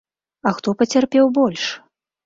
А хто пацярпеў больш?